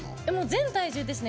全体重ですね。